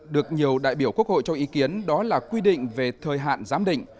được nhiều đại biểu quốc hội cho ý kiến đó là quy định về thời hạn giám định